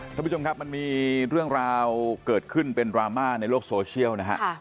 ท่านผู้ชมครับมันมีเรื่องราวเกิดขึ้นเป็นดราม่าในโลกโซเชียลนะฮะ